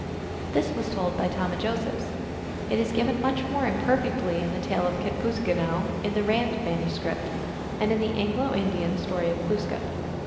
1 1 This was told by Tomah Josephs. It is given much more im perfectly in the tale of Kitpooseagunow in the Rand manuscript, and in the Anglo Indian " Storey of Glooscap."